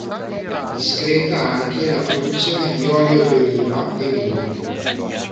Discreta anche la produzione di olio di oliva e vino.